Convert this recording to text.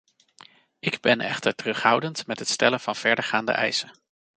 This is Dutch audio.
Ik ben echter terughoudend met het stellen van verdergaande eisen.